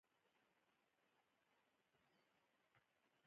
تالابونه د افغانستان د جغرافیې یوه څرګنده بېلګه ده.